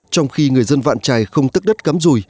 trong khi người dân vạn trài không tức đất cắm rùi